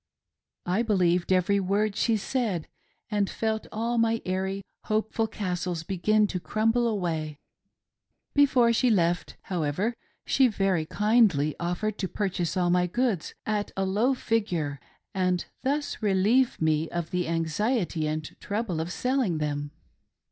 I believed every word she said, and felt all my airy, hopeful castles begin to crumble away. Before she left, however, she very kindly offered to purchase all my good? at a low figure 348 "I don't like crying women." and thus relieve me of the anxiety and trouble of selling them.